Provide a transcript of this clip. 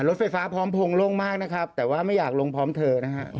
รถไฟฟ้าพร้อมพงโล่งมากนะครับแต่ว่าไม่อยากลงพร้อมเธอนะฮะ